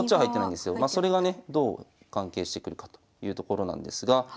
それがねどう関係してくるかというところなんですが。